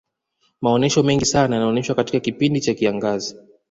maonyesho mengi sana yanaonyeshwa katika kipindi cha kiangazi